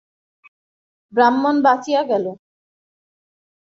ব্রাহ্মণ বাঁচিয়া গেল।